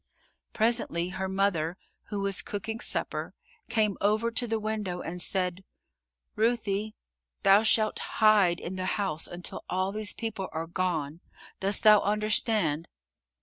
Presently her mother, who was cooking supper, came over to the window and said, "Ruthie, thou shalt hide in the house until all those people are gone. Dost thou understand?"